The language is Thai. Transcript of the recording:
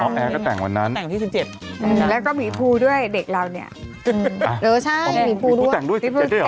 คุณแอร์ก็แต่งวันนั้นแล้วก็มีภูด้วยเด็กเราไม่ใช่มีภูด้วย